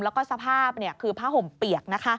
แล้วก็สภาพคือผ้าห่มเปียก